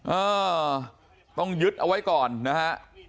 เออต้องยึดเอาไว้ก่อนนะฮะ